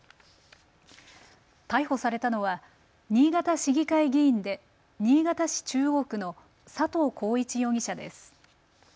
逮捕されたのは新潟市議会議員で新潟市中央区の佐藤耕一容疑者です。